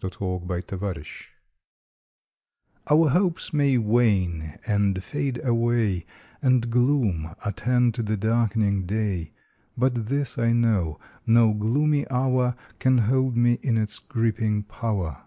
May Twelfth HOPES RESTORED hopes may wane and fade away, And gloom attend the darkening day, But this I know: no gloomy hour Can hold me in its gripping power.